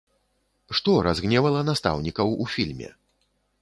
Што разгневала настаўнікаў у фільме?